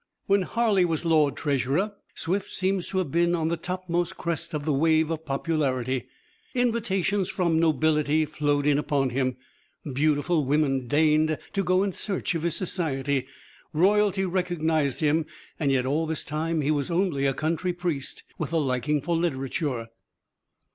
When Harley was Lord Treasurer, Swift seems to have been on the topmost crest of the wave of popularity. Invitations from nobility flowed in upon him, beautiful women deigned to go in search of his society, royalty recognized him. And yet all this time he was only a country priest with a liking for literature.